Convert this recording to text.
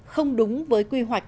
không đúng với quy hoạch